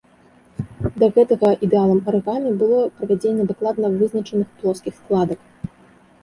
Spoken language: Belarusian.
Да гэтага ідэалам арыгамі было правядзенне дакладна вызначаных плоскіх складак.